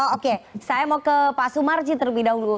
oke saya mau ke pak sumarji terlebih dahulu